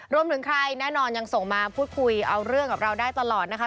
รวมถึงใครแน่นอนยังส่งมาพูดคุยเอาเรื่องกับเราได้ตลอดนะคะ